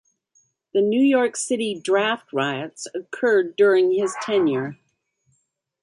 The New York City draft riots occurred during his tenure.